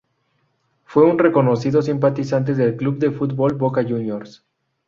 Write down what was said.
Fue un reconocido simpatizante del club de fútbol Boca Juniors.